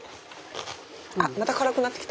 あまた辛くなってきた。